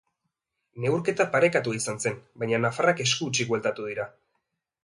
Neurketa parekatua izan zen, baina nafarrak esku hutsik bueltatu dira.